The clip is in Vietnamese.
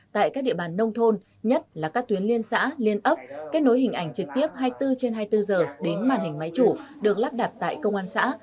tại các địa bàn nông thôn nhất là các tuyến liên xã liên ấp kết nối hình ảnh trực tiếp hai mươi bốn trên hai mươi bốn giờ đến màn hình máy chủ được lắp đặt tại công an xã